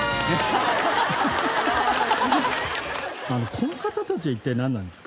この方たちは一体なんなんですか？